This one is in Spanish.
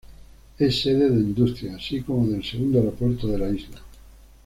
Es sede de industrias, así como del segundo aeropuerto de la isla.